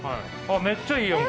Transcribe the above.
めっちゃいいやん！